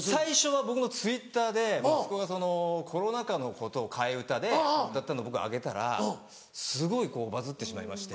最初は僕のＴｗｉｔｔｅｒで息子がコロナ禍のことを替え歌で歌ったの僕上げたらすごいバズってしまいまして。